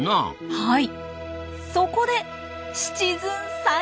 はい。